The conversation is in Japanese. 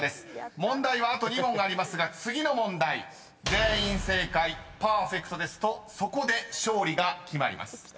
［問題はあと２問ありますが次の問題全員正解パーフェクトですとそこで勝利が決まります］